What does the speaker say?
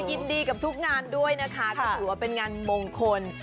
ยินดีกับทุกงานด้วยนะคะก็ถือว่าเป็นงานมงคล